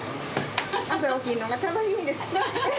朝起きるのが楽しみです。